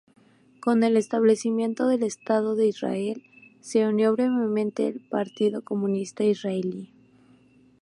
Con el establecimiento del estado de Israel, se unió brevemente el Partido Comunista Israelí.